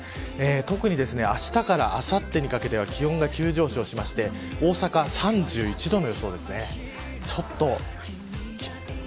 特にあしたからあさってにかけては気温が急上昇して大阪は３１度の予想です。